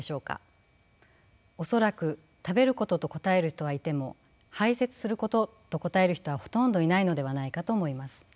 恐らく食べることと答える人はいても排泄することと答える人はほとんどいないのではないかと思います。